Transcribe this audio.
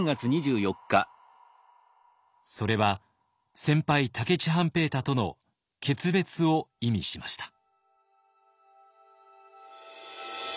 それは先輩武市半平太との決別を意味しました。